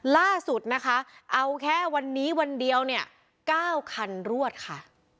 ล่าสุดนะคะเอาแค่วันนี้วันเดียวเนี่ย๙คันรวดค่ะ